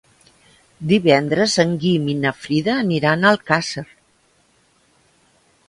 Divendres en Guim i na Frida aniran a Alcàsser.